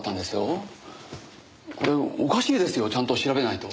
これおかしいですよちゃんと調べないと。